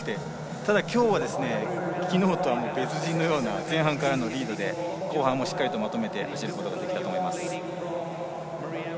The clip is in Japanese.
ただ今日は昨日と別人で前半からのリードで後半もしっかりまとめて走ることができたと思います。